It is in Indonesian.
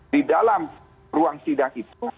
di dalam ruang sidang itu